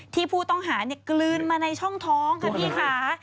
ที่ผู้ต้องหากลืนมาในช่องท้องค่ะพี่ค่ะ